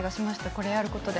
これやることで。